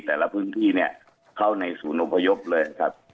แต่ละพื้นที่เนี่ยเข้าในศูนย์อพยพเลยครับ